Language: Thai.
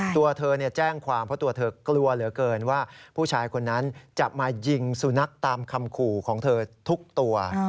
ตัวเธอแจ้งความเพราะตัวเธอกลัวเหลือเกินว่าผู้ชายคนนั้นจะมายิงสุนัขตามคำขู่ของเธอทุกตัว